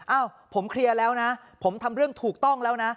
เอ้าผมเคลียร์แล้วนะผมทำเรื่องถูกต้องแล้วนะ